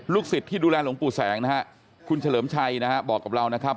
ลูกศิษย์ที่ดูแลหลวงปู่แสงนะครับคุณเฉลิมชัยนะครับบอกกับเรานะครับ